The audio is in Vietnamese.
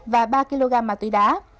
và ba kg ma túy đá